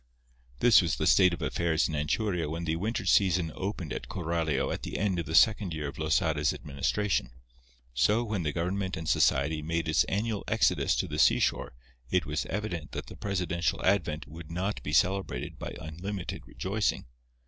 This was the state of affairs in Anchuria when the winter season opened at Coralio at the end of the second year of Losada's administration. So, when the government and society made its annual exodus to the seashore it was evident that the presidential advent would not be celebrated by unlimited rejoicing.